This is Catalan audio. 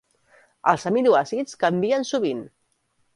Els aminoàcids canvien sovint.